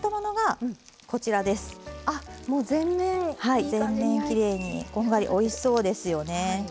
はい全面きれいにこんがりおいしそうですよね。